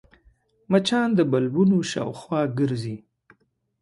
مچان د بلبونو شاوخوا ګرځي